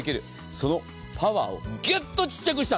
そのパワーをきゅっと小さくした。